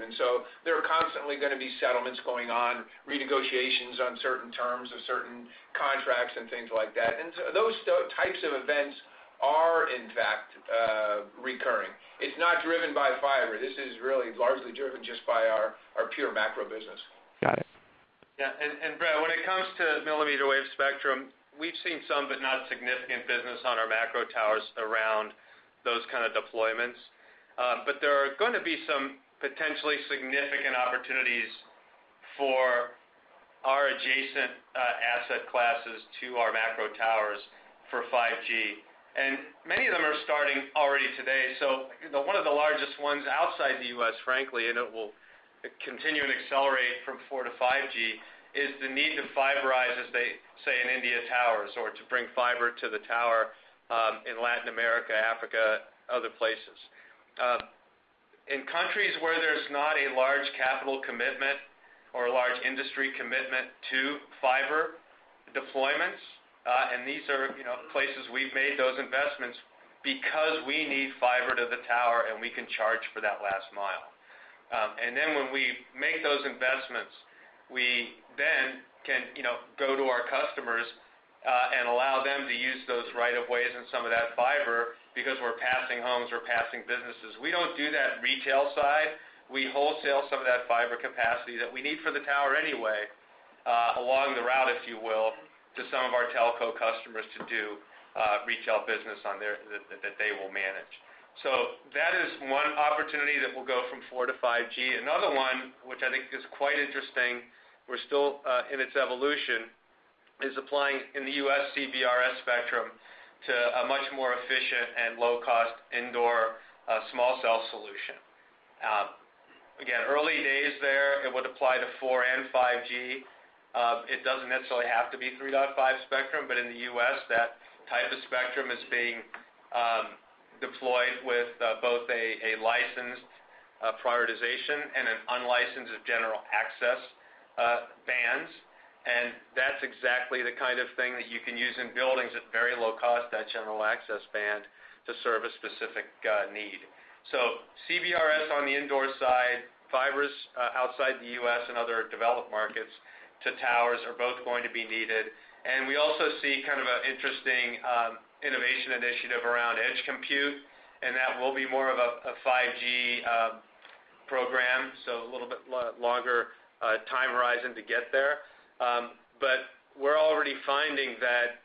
there are constantly going to be settlements going on, renegotiations on certain terms of certain contracts and things like that. Those types of events are in fact recurring. It's not driven by fiber. This is really largely driven just by our pure macro business. Got it. Yeah. Brett, when it comes to millimeter wave spectrum, we've seen some but not significant business on our macro towers around those kind of deployments. There are going to be some potentially significant opportunities for our adjacent asset classes to our macro towers for 5G. Many of them are starting already today. One of the largest ones outside the U.S., frankly, and it will continue and accelerate from 4 to 5G, is the need to fiberize, as they say, in India, towers or to bring fiber to the tower, in Latin America, Africa, other places. In countries where there's not a large capital commitment or a large industry commitment to fiber deployments, and these are places we've made those investments because we need fiber to the tower, and we can charge for that last mile. When we make those investments, we then can go to our customers, and allow them to use those right of ways and some of that fiber because we're passing homes, we're passing businesses. We don't do that retail side. We wholesale some of that fiber capacity that we need for the tower anyway, along the route, if you will, to some of our telco customers to do retail business on there that they will manage. That is one opportunity that will go from 4G to 5G. Another one, which I think is quite interesting, we're still in its evolution, is applying in the U.S. CBRS spectrum to a much more efficient and low-cost indoor small cell solution. Again, early days there. It would apply to 4G and 5G. It doesn't necessarily have to be 3.5 spectrum, but in the U.S., that type of spectrum is being deployed with both a licensed prioritization and an unlicensed general access bands. That's exactly the kind of thing that you can use in buildings at very low cost, that general access band, to serve a specific need. CBRS on the indoor side, fibers outside the U.S. and other developed markets to towers are both going to be needed. We also see an interesting innovation initiative around edge compute, and that will be more of a 5G program, so a little bit longer time horizon to get there. We're already finding that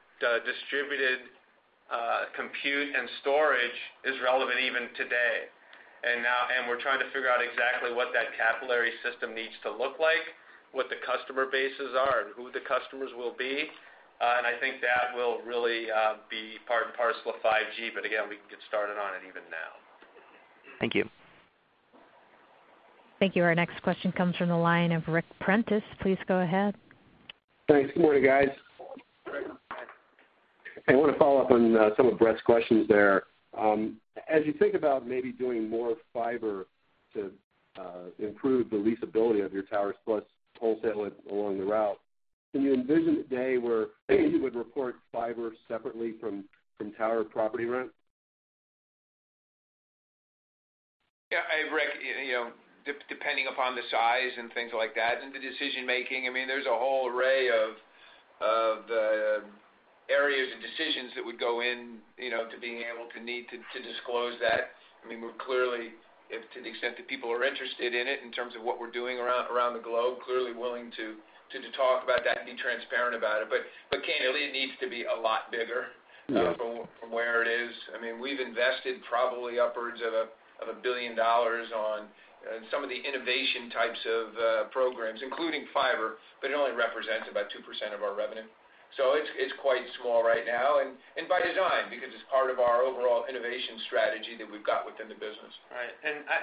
distributed compute and storage is relevant even today. We're trying to figure out exactly what that capillary system needs to look like, what the customer bases are, and who the customers will be. I think that will really be part and parcel of 5G. Again, we can get started on it even now. Thank you. Thank you. Our next question comes from the line of Ric Prentiss. Please go ahead. Thanks. Good morning, guys. I want to follow up on some of Brett's questions there. As you think about maybe doing more fiber to improve the leasability of your towers plus wholesaling along the route, can you envision a day where maybe you would report fiber separately from tower property rent? Yeah, Ric, depending upon the size and things like that and the decision-making, there's a whole array of areas and decisions that would go into being able to need to disclose that. We're clearly, to the extent that people are interested in it in terms of what we're doing around the globe, clearly willing to talk about that and be transparent about it. Candidly, it needs to be a lot bigger. Yeah from where it is. We've invested probably upwards of $1 billion on some of the innovation types of programs, including fiber, but it only represents about 2% of our revenue. It's quite small right now and by design, because it's part of our overall innovation strategy that we've got within the business. Right.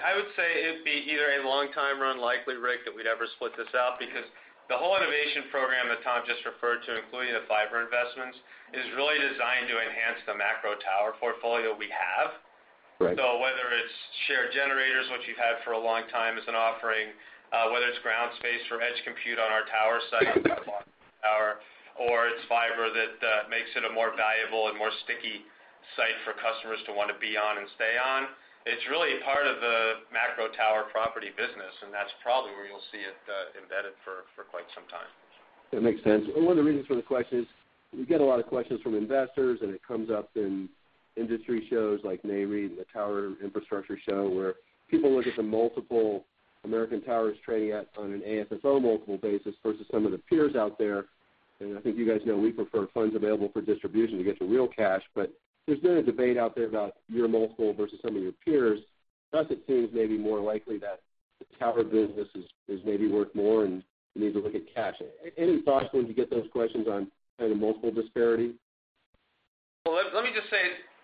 I would say it'd be either a long time or unlikely, Ric, that we'd ever split this out because the whole innovation program that Tom just referred to, including the fiber investments, is really designed to enhance the macro tower portfolio we have. Right. Whether it's shared generators, which we've had for a long time as an offering, whether it's ground space for edge compute on our tower site, or it's fiber that makes it a more valuable and more sticky site for customers to want to be on and stay on, it's really part of the macro tower property business, and that's probably where you'll see it embedded for quite some time. That makes sense. One of the reasons for the question is we get a lot of questions from investors, and it comes up in industry shows like NATE and the Tower Infrastructure Show, where people look at the multiple American Tower trading at on an AFFO multiple basis versus some of the peers out there. I think you guys know we prefer funds available for distribution to get to real cash. There's been a debate out there about your multiple versus some of your peers. To us, it seems maybe more likely that the tower business is maybe worth more, and you need to look at cash. Any thoughts when you get those questions on kind of multiple disparity? Well, let me just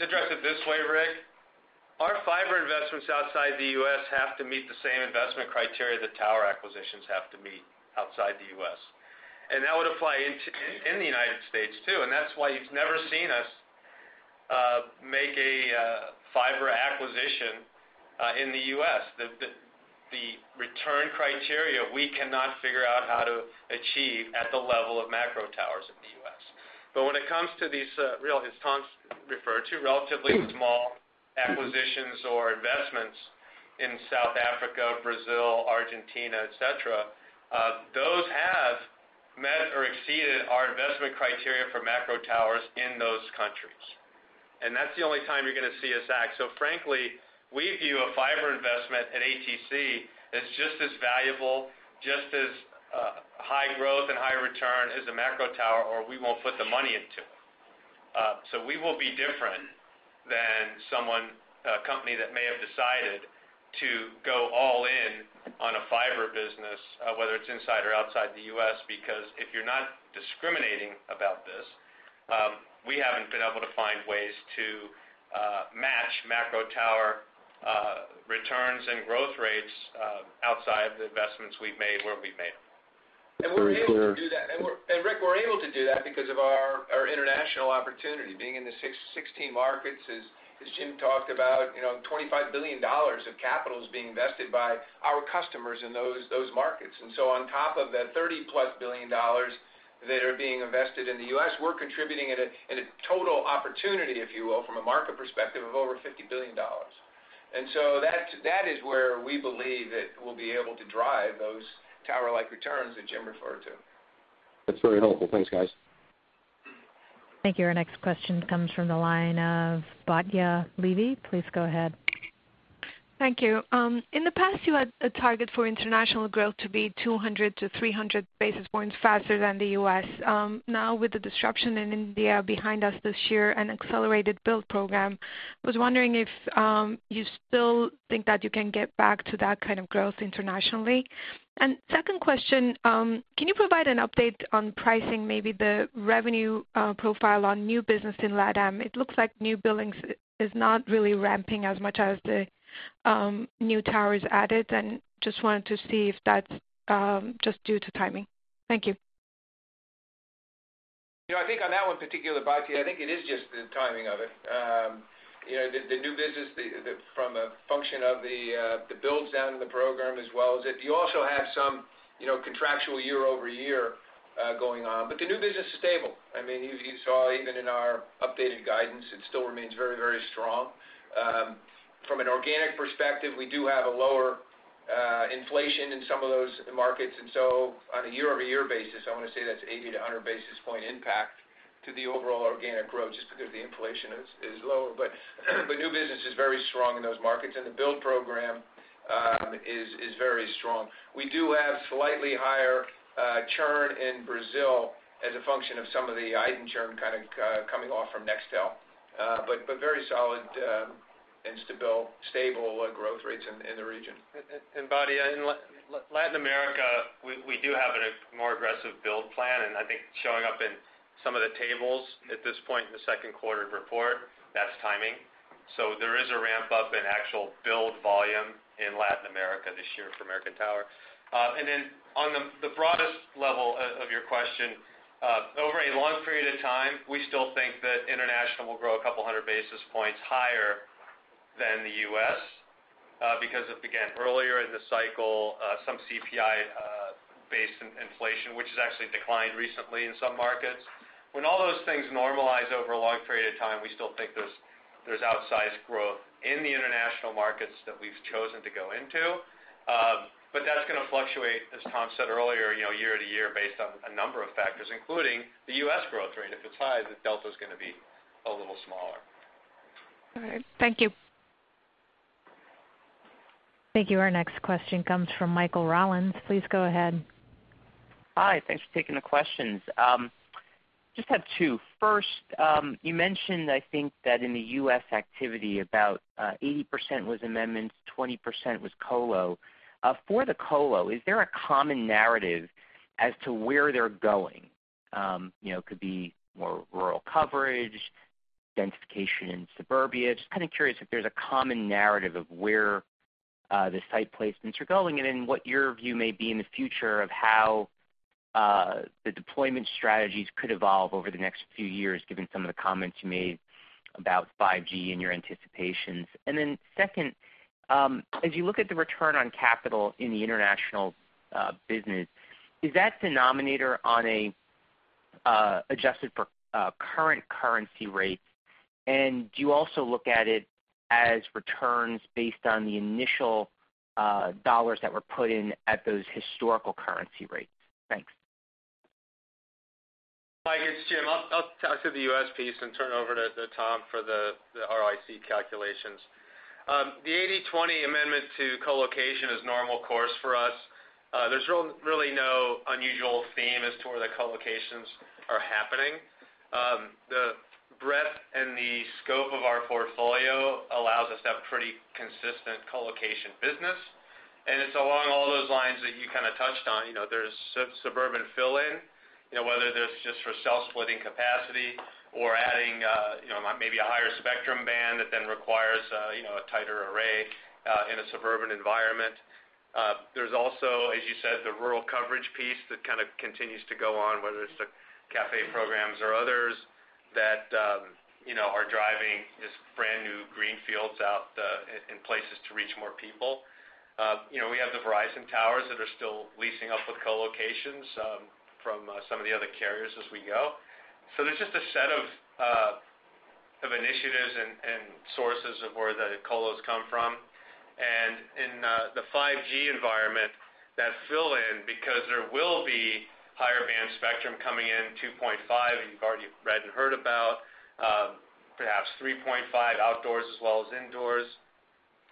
address it this way, Rick. Our fiber investments outside the U.S. have to meet the same investment criteria that tower acquisitions have to meet outside the U.S. That would apply in the United States, too, and that's why you've never seen us make a fiber acquisition in the U.S. The return criteria, we cannot figure out how to achieve at the level of macro towers in the U.S. When it comes to these real, as Tom's referred to, relatively small acquisitions or investments in South Africa, Brazil, Argentina, et cetera, those have met or exceeded our investment criteria for macro towers in those countries. That's the only time you're going to see us act. Frankly, we view a fiber investment at ATC as just as valuable, just as high growth and high return as a macro tower, or we won't put the money into it. We will be different than a company that may have decided to go all in on a fiber business, whether it's inside or outside the US, because if you're not discriminating about this, we haven't been able to find ways to match macro tower returns and growth rates outside the investments we've made where we've made them. Very clear. Ric, we're able to do that because of our international opportunity, being in the 16 markets, as Jim talked about, $25 billion of capital is being invested by our customers in those markets. On top of that $30-plus billion that are being invested in the U.S., we're contributing at a total opportunity, if you will, from a market perspective of over $50 billion. That is where we believe that we'll be able to drive those tower-like returns that Jim referred to. That's very helpful. Thanks, guys. Thank you. Our next question comes from the line of Batya Levi. Please go ahead. Thank you. In the past, you had a target for international growth to be 200 to 300 basis points faster than the U.S. Now, with the disruption in India behind us this year and accelerated build program, I was wondering if you still think that you can get back to that kind of growth internationally. Second question, can you provide an update on pricing, maybe the revenue profile on new business in LATAM? It looks like new billings is not really ramping as much as the new towers added, and just wanted to see if that's just due to timing. Thank you. I think on that one particular, Batya, I think it is just the timing of it. The new business from a function of the builds down in the program as well as if you also have some contractual year-over-year going on. The new business is stable. You saw even in our updated guidance, it still remains very strong. From an organic perspective, we do have a lower inflation in some of those markets, on a year-over-year basis, I want to say that's 80-100 basis point impact to the overall organic growth just because the inflation is lower. New business is very strong in those markets, and the build program is very strong. We do have slightly higher churn in Brazil as a function of some of the item churn kind of coming off from Nextel. Very solid and stable growth rates in the region. Batya, in Latin America, we do have a more aggressive build plan, and I think showing up in some of the tables at this point in the second quarter report, that's timing. There is a ramp-up in actual build volume in Latin America this year for American Tower. On the broadest level of your question, over a long period of time, we still think that international will grow 200 basis points higher than the U.S. because it began earlier in the cycle, some CPI-based inflation, which has actually declined recently in some markets. When all those things normalize over a long period of time, we still think there's outsized growth in the international markets that we've chosen to go into. That's going to fluctuate, as Tom said earlier, year to year based on a number of factors, including the U.S. growth rate. If it's high, the delta is going to be a little smaller. All right. Thank you. Thank you. Our next question comes from Michael Rollins. Please go ahead. Hi. Thanks for taking the questions. Just have two. First, you mentioned, I think that in the U.S. activity, about 80% was amendments, 20% was colo. For the colo, is there a common narrative as to where they're going? Could be more rural coverage, densification in suburbia. Just kind of curious if there's a common narrative of where the site placements are going and then what your view may be in the future of how the deployment strategies could evolve over the next few years, given some of the comments you made about 5G and your anticipations. Second, as you look at the return on capital in the international business, is that denominator on a adjusted for current currency rates, and do you also look at it as returns based on the initial dollars that were put in at those historical currency rates? Thanks. Mike, it's Jim. I'll talk to the U.S. piece and turn it over to Tom for the RIC calculations. The 80/20 amendment to colocation is normal course for us. There's really no unusual theme as to where the colocations are happening. The breadth and the scope of our portfolio allows us to have pretty consistent colocation business, and it's along all those lines that you touched on. There's suburban fill-in, whether that's just for cell splitting capacity or adding maybe a higher spectrum band that then requires a tighter array in a suburban environment. There's also, as you said, the rural coverage piece that kind of continues to go on, whether it's the CAF programs or others that are driving this brand-new greenfields out in places to reach more people. We have the Verizon towers that are still leasing up with co-locations from some of the other carriers as we go. There's just a set of initiatives and sources of where the colos come from. In the 5G environment, that fill in because there will be higher band spectrum coming in 2.5, you've already read and heard about, perhaps 3.5 outdoors as well as indoors.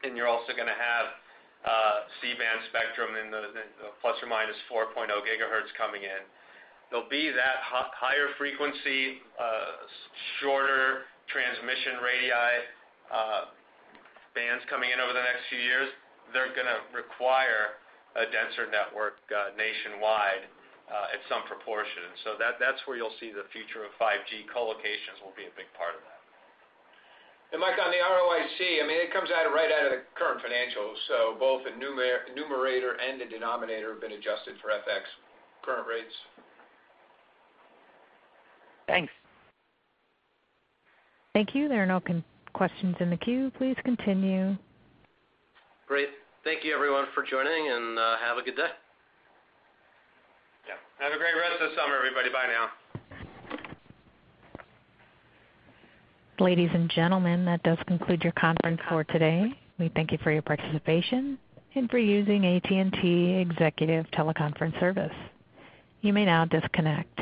You're also going to have C-band spectrum in the ±4.0 GHz coming in. There'll be that higher frequency, shorter transmission radii bands coming in over the next few years. They're going to require a denser network nationwide at some proportion. That's where you'll see the future of 5G collocations will be a big part of that. Mike, on the ROIC, it comes right out of the current financials. Both the numerator and the denominator have been adjusted for FX current rates. Thanks. Thank you. There are no questions in the queue. Please continue. Great. Thank you everyone for joining, and have a good day. Yeah. Have a great rest of the summer, everybody. Bye now. Ladies and gentlemen, that does conclude your conference for today. We thank you for your participation and for using AT&T Executive TeleConference Service. You may now disconnect.